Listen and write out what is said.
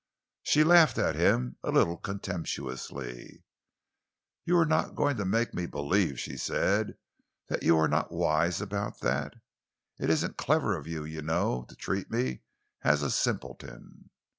She laughed at him a little contemptuously. "You are not going to make me believe," she said, "that you are not wise about that. It isn't clever, you know, to treat me as a simpleton."